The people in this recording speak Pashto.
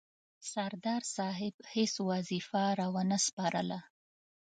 سردار صاحب هیڅ وظیفه را ونه سپارله.